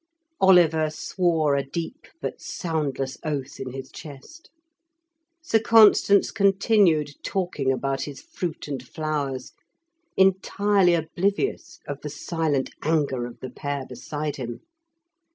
Oliver swore a deep but soundless oath in his chest. Sir Constans continued talking about his fruit and flowers, entirely oblivious of the silent anger of the pair beside him.